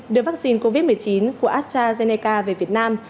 đưa vắc xin covid một mươi chín của astrazeneca về việt nam